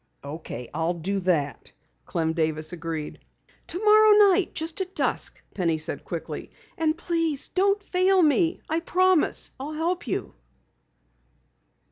"Okay, I'll do that," Clem Davis agreed. "Tomorrow night just at dusk," Penny said quickly. "And please don't fail me. I promise. I'll help you."